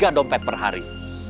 berapa dompet per hari